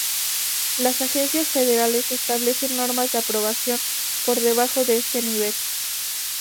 Las agencias federales establecen normas de aprobación por debajo de este nivel.